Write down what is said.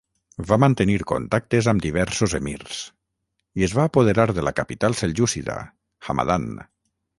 Va mantenir contactes amb diversos emirs i es va apoderar de la capital seljúcida, Hamadan.